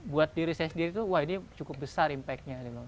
buat diri saya sendiri tuh wah ini cukup besar impactnya